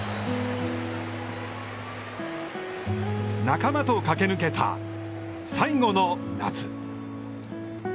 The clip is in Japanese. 仲間と駆け抜けた最後の夏。